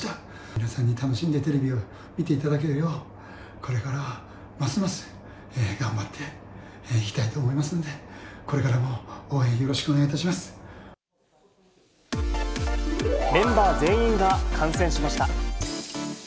皆さんに楽しんでテレビを見ていただけるよう、これからますます頑張っていきたいと思いますので、これからも応援よろしくお願いいメンバー全員が感染しました。